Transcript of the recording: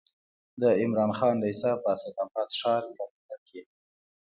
د عمراخان لېسه په اسداباد ښار یا کونړ کې